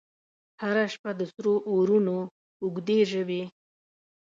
هره شپه د سرو اورونو، اوږدي ژبې،